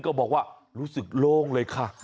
บอกว่ารู้สึกโล่งเลยค่ะ